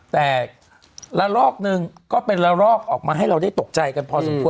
แต่ละลอกนึงก็เป็นละลอกออกมาให้เราได้ตกใจกันพอสมควร